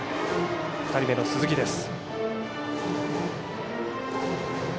２人目の鈴木です。